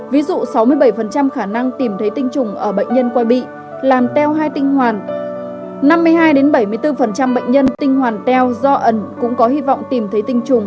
ví dụ sáu mươi bảy khả năng tìm thấy tinh trùng ở bệnh nhân quay bị làm teo hai tinh hoàn năm mươi hai bảy mươi bốn bệnh nhân tinh hoàn teo do ẩn cũng có hy vọng tìm thấy tinh trùng